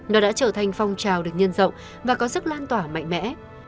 nó đã trở thành phong trào được nhân rộng và có sức lan tỏa mạnh mẽ